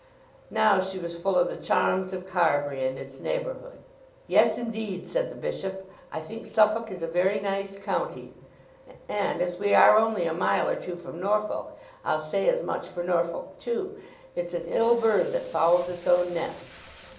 Now she was full of the charms of Carbury and its neighbourhood. "Yes, indeed," said the bishop, "I think Suffolk is a very nice county; and as we are only a mile or two from Norfolk, I'll say as much for Norfolk too. 'It's an ill bird that fouls its own nest.'"